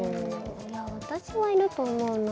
いや私はいると思うな。